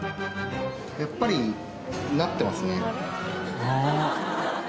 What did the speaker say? やっぱりなってますね。